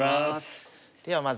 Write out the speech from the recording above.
ではまず。